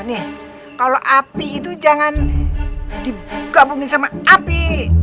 nih kalau api itu jangan digabungin sama api